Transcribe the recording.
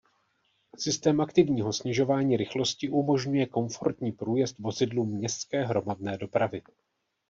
Systém aktivního snižování rychlosti umožňuje komfortní průjezd vozidlům městské hromadné dopravy.